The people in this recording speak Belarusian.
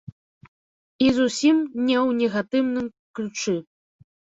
І зусім не ў негатыўным ключы.